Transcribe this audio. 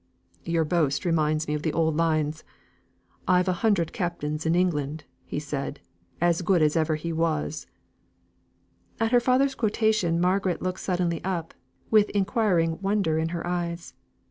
"Your boast reminds me of the old lines 'I've a hundred captains in England,' he said, 'As good as ever was he.'" At her father's quotation Margaret looked suddenly up, with inquiring wonder in her eyes.